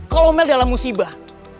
kalau mel dalam musibah